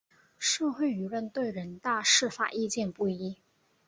社会舆论对人大释法意见不一。